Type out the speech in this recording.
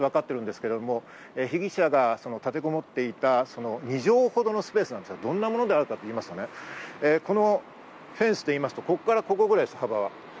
捜査によってわかってるんですけど、被疑者が立てこもっていた２畳ほどのスペース、どんなものであるかというと、このフェンスでいうと、ここからここくらいです、幅は。